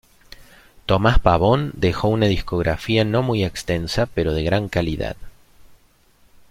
Tomás Pavón dejó una discografía no muy extensa, pero de gran calidad.